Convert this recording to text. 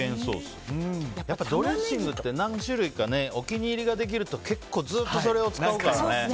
やっぱドレッシングって何種類かお気に入りができると結構ずっと、それを使うからね。